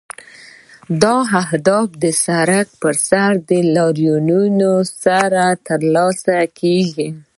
دا اهداف د سړک پر سر لاریونونو سره ترلاسه کیږي.